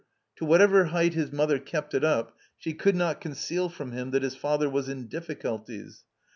To whatever height his mother kept it up, she could not conceal from him that his father was in difficulties.